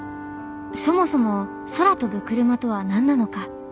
そもそも空飛ぶクルマとは何なのか？